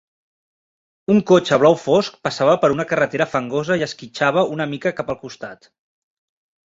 Un cotxe blau fosc passava per una carretera fangosa i esquitxava una mica cap al costat.